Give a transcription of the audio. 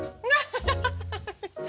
ハハハハハ！